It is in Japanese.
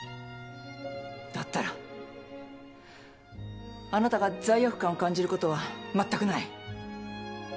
だったらあなたが罪悪感を感じることは全くない。